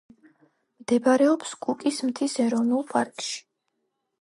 მდებარეობს კუკის მთის ეროვნულ პარკში.